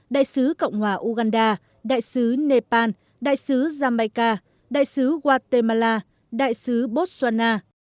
đại sứ cộng hòa uganda đại sứ nepal đại sứ jamaica đại sứ guatemala đại sứ botswana